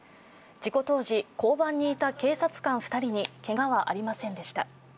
事故当時、交番にいた警察官２人にけがはありませんでした。